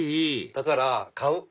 だから買う。